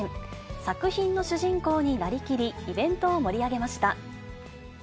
作品の主人公になりきり、イベントを盛り上げました。